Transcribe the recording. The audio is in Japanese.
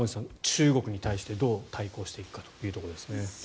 中国に対してどう対抗していくかというところですね。